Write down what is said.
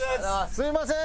すみません。